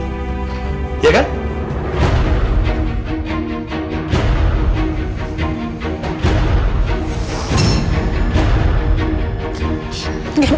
pasti mewajakin bern teman